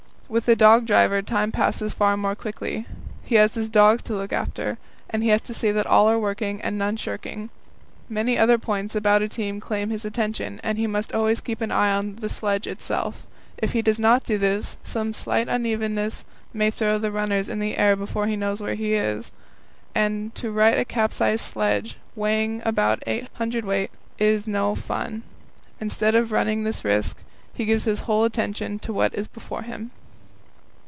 With the dog driver time passes far more quickly. He has his dogs to look after, and has to see that all are working and none shirking. Many other points about a team claim his attention, and he must always keep an eye on the sledge itself. If he does not do this, some slight unevenness may throw the runners in the air before he knows where he is. And to right a capsized sledge, weighing about eight hundredweight, is no fun. So, instead of running this risk, he gives his whole attention to what is before him.